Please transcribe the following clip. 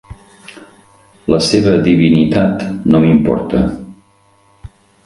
La seva divinitat no m'importa.